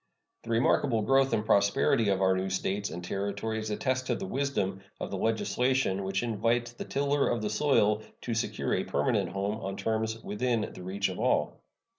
The remarkable growth and prosperity of our new States and Territories attest the wisdom of the legislation which invites the tiller of the soil to secure a permanent home on terms within the reach of all.